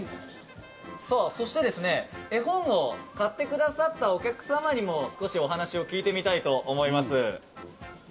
そして、絵本を買ってくださったお客様にも少しお話を聞いてみたいと思います。